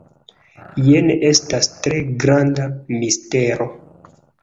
Jen estas tre granda mistero.